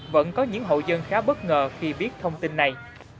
vẫn có những hậu dân khá bất ngờ khi biết thông tin này